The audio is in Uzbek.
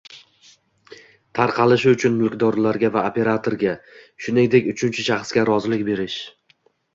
tarqatilishi uchun mulkdorga va operatorga, shuningdek uchinchi shaxsga rozilik berish;